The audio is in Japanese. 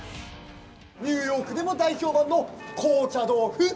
ニューヨークでも大評判の紅茶豆腐！